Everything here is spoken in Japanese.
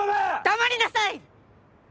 黙りなさい！